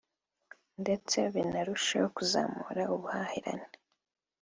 ndetse binarusheho kuzamura ubuhahirane